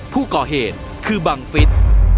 ผู้ก่อเหตุคือบังฟิศ